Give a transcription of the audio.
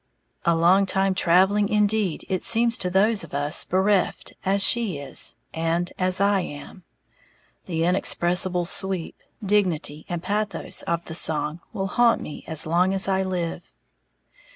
"A long time travelling" indeed it seems to those of us bereft as she is, and as I am. The inexpressible sweep, dignity and pathos of the song will haunt me as long as I live.